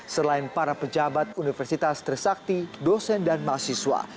selain para pejabat universitas trisakti dosen dan mahasiswa